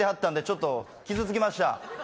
ちょっと傷つきました。